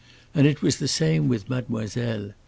And it was the same with Mademoiselle.